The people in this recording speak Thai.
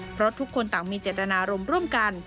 เพราะทุกคนต่างมีเจตนารมณ์ร่วมกัน